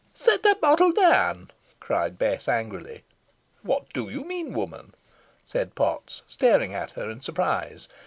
"Set the bottle down," cried Bess, angrily. "What do you mean, woman!" said Potts, staring at her in surprise.